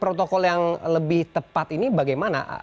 protokol yang lebih tepat ini bagaimana